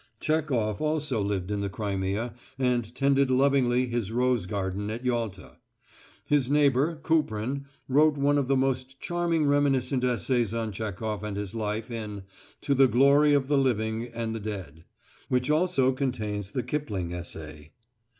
Chekhof also lived in the Crimea and tended lovingly his rose garden at Yalta. His neighbour, Kuprin, wrote one of the most charming reminiscent essays on Chekhof and his life in "To the Glory of the Living and the Dead," which also contains the Kipling essay.